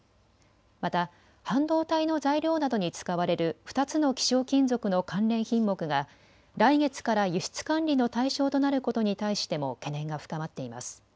また半導体の材料などに使われる２つの希少金属の関連品目が来月から輸出管理の対象となることに対しても懸念が深まっています。